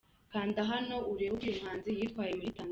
Kanda hano urebe uko uyu muhanzi yitwaye muri Tanzania.